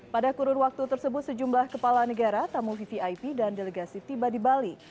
pada kurun waktu tersebut sejumlah kepala negara tamu vvip dan delegasi tiba di bali